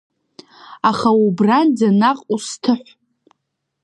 Аха убранӡа наҟ усҭыҳә!